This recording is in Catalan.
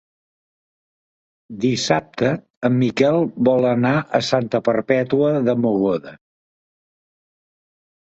Dissabte en Miquel vol anar a Santa Perpètua de Mogoda.